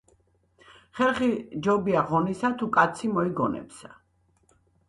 ხერხი ჯობია ღონესა თუ კაცი მოიგონებსა